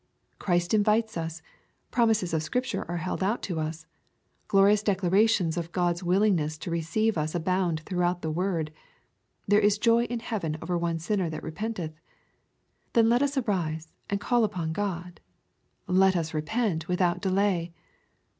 Christ invites us. Promises of Scripture are held out to us. Glorious declarations of God's willingness to re ceive us abound throughout the word. " There is joy in heaven over one sinner that repenteth." Then let us arise and call upon God. Let us repent without delay.